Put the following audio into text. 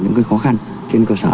những khó khăn trên cơ sở